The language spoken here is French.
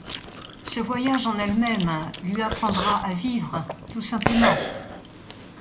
Ce voyage en elle-même lui apprendra à vivre, tout simplement.